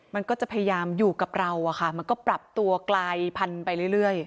มันก็จะพยายามอยู่กับเราอะค่ะมันก็ปรับตัวกลายพันธุ์ไปเรื่อย